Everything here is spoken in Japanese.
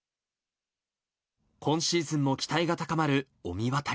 今シーズンも期待が高まる御神渡り。